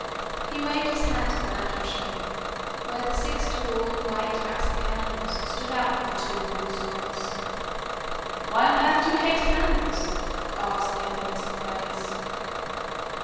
He waved his hand to the mantle shelf where the six tall, white, waxen candles stood out from two wall sconces. "Why on earth do you hate candles?" asked the other in surprise.